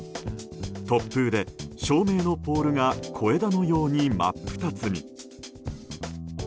突風で照明のポールが小枝のように真っ二つに。